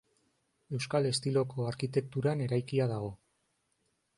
Euskal estiloko arkitekturan eraikia dago.